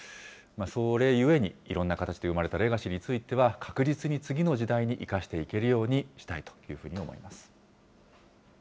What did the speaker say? それゆえに、いろんな形で生まれたレガシーについては、確実に次の時代に生かしていけるようにしたいというふうに思います。